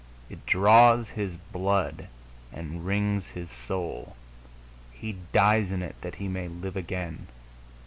It draws his blood and wrings his soul. He dies in it that he may live again....